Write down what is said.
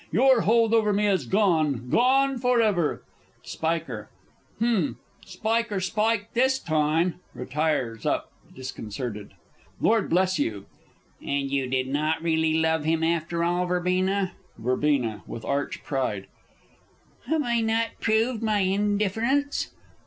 Your hold over me is gone gone for ever! Spiker. H'm Spiker spiked this time! [Retires up disconcerted. Lord Bl. And you did not really love him, after all, Verbena? Verb. (with arch pride). Have I not proved my indifference?